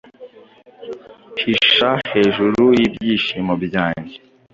Hisha hejuru y'ibyishimo byanjye.